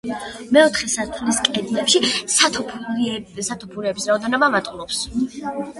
მეოთხე სართულის კედლებში სათოფურების რაოდენობა მატულობს.